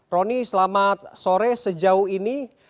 roni selamat sore sejauh ini